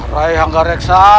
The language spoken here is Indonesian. rai hangga reksa